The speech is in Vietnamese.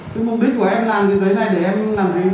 cái mục đích của em làm cái giấy này để em làm gì